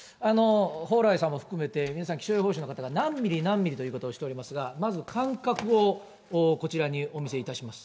蓬莱さんも含めて、皆さん、気象予報士の方が何ミリ何ミリという言い方をしておりますが、まず感覚をこちらにお見せいたします。